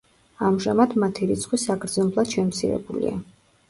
ამჟამად მათი რიცხვი საგრძნობლად შემცირებულია.